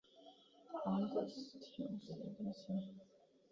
昂古斯廷埃斯卡勒德新城。